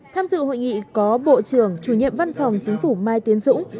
tham dự hội nghị có bộ trưởng chủ nhiệm văn phòng chính phủ mai tiến dũng